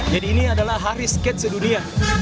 jadi ini adalah hari skate sedunia